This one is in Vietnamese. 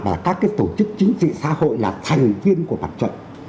và các cái tổ chức chính trị xã hội là thành viên của mặt trận